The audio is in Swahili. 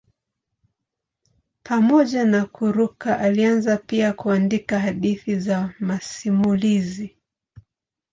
Pamoja na kuruka alianza pia kuandika hadithi na masimulizi.